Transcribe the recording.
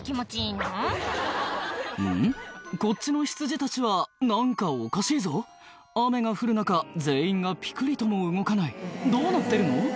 こっちの羊たちは何かおかしいぞ雨が降る中全員がぴくりとも動かないどうなってるの？